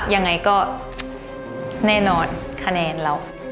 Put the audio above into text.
ยังไงก็แน่นอนคะแนนเรา